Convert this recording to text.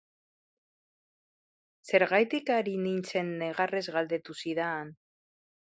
Zergatik ari nintzen negarrez galdetu zidaan.